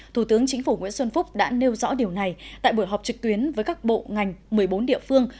thủ tướng chính phủ nguyễn xuân phúc đã nêu rõ điều này tại buổi họp trực tuyến với các bộ ngành một mươi bốn địa phương